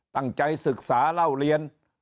ตั้งใจศึกษาเล่าเรียน